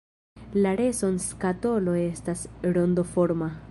La reson-skatolo estas rondoforma.